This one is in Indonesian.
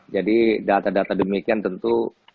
jadi data data demikian tentu